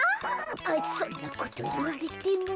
あそんなこといわれても。